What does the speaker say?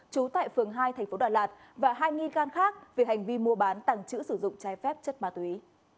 trú tại phường hai thành phố đà lạt và hai nghi can khác vì hành vi mua bán tặng chữ sử dụng chai phép chất ma túy